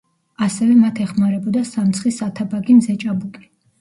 ასევე მათ ეხმარებოდა სამცხის ათაბაგი მზეჭაბუკი.